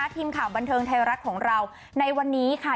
ทีมข่าวบันเทิงไทยรัฐของเราในวันนี้ค่ะ